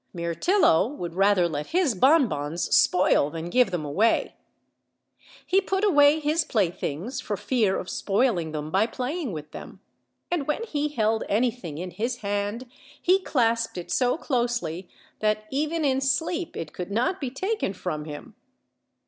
Mirtillo would rather let his bonbons spoil than give them away; he put away his play 'ft^^aSKE! 11 NATION things for fear of spoiling them by playing with them, and when he held anything in his hand he clasped it so closely that even in sleep it could not be taken from him.